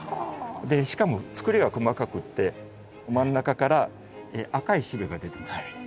しかもつくりが細かくって真ん中から赤いしべが出てますね。